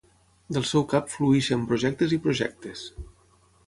Del seu cap flueixen projectes i projectes.